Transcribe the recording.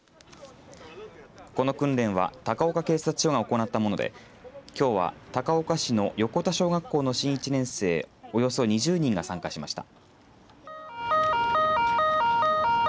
この訓練は高岡警察署が行ったものできょうは、高岡市の横田小学校の新１年生およそ２０人が参加しました。